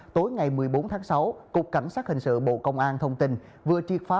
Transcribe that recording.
tối ngày một mươi bốn tháng sáu cục cảnh sát hình sự bộ công an thông tin vừa triệt phá